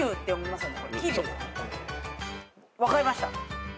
分かりました。